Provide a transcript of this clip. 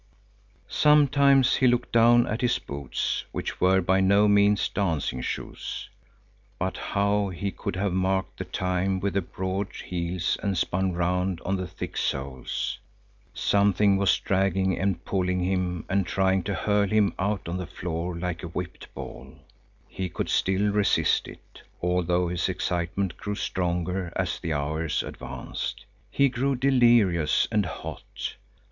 Sometimes he looked down at his boots, which were by no means dancing shoes. But how he could have marked the time with the broad heels and spun round on the thick soles! Something was dragging and pulling him and trying to hurl him out on the floor like a whipped ball. He could still resist it, although his excitement grew stronger as the hours advanced. He grew delirious and hot.